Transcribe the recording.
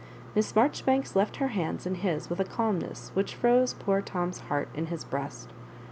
Miss Marjoribanks left her hands in his with a calmness which froze poor Tom's heart in his breast.